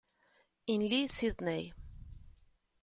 In Lee, Sidney.